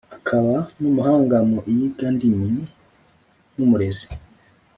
akaba n’umuhanga mu iyigandimi n’umurezi